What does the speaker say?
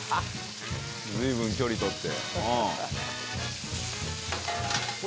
随分距離とって。